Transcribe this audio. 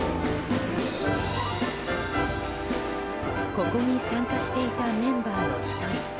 ここに参加していたメンバーの１人